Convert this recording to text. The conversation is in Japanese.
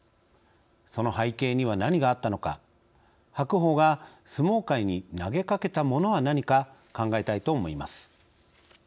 その背景には何があったのか白鵬が相撲界に投げかけたものは何か考えたいと思います。